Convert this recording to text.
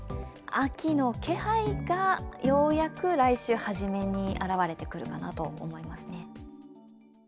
秋の気配がようやく来週初めに現れてくるかなと思いますね。